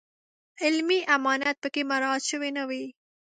علمي امانت په کې مراعات شوی نه وي.